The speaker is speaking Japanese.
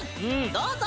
どうぞ！